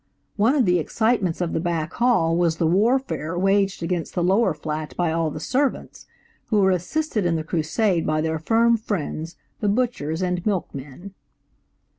One of the excitements of the back hall was the warfare waged against the lower flat by all the servants, who were assisted in the crusade by their firm friends, the butchers and milkmen.